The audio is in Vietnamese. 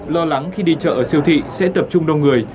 lo lắng khi đi chợ ở siêu thị sẽ tập trung đông người